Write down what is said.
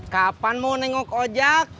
kapan mau nengok ojak